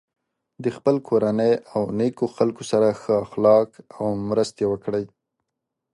د خپل کورنۍ او نیکو خلکو سره ښه اخلاق او مرستې وکړی.